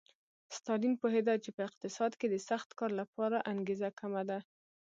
ستالین پوهېده چې په اقتصاد کې د سخت کار لپاره انګېزه کمه ده